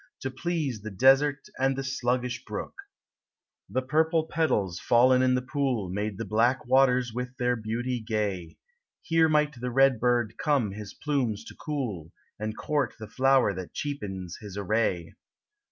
To please the desert and the sluggish brook : The purple petals fallen in the pool Made the black waters with their beauty gay, — Here might the red bird come his plumes to cool, And court the flower that cheapens his array.